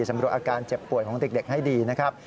สำรวจอาการเจ็บป่วยของเด็กให้ดีนะครับ